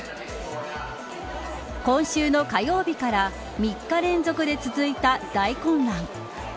今週の火曜日から３日連続で続いた大混乱。